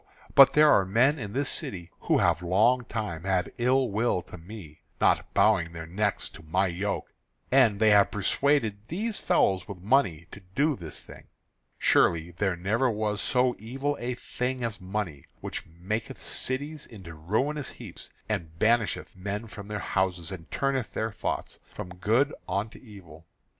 But there are men in this city who have long time had ill will to me, not bowing their necks to my yoke; and they have persuaded these fellows with money to do this thing. Surely there never was so evil a thing as money, which maketh cities into ruinous heaps, and banisheth men from their houses, and turneth their thoughts from good unto evil.